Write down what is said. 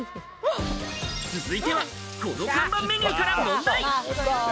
続いては、この看板メニューから問題。